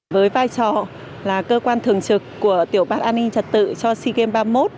với vai trò là cơ quan thường trực của tiểu ban an ninh trật tự cho sea games ba mươi một